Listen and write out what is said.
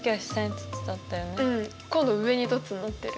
今度上に凸になってる。